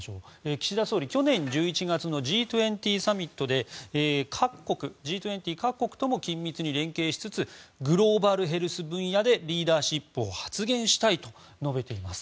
岸田総理、去年１１月のＧ２０サミットでＧ２０各国とも緊密に連携しつつグローバルヘルス分野でリーダーシップを発現したいと述べています。